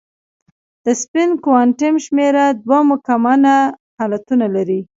د سپین کوانټم شمېره دوه ممکنه حالتونه لري.